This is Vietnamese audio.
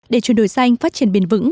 để chuyển đổi xanh phát triển bền vững